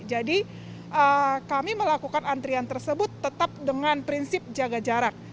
jadi kami melakukan antrean tersebut tetap dengan prinsip jaga jarak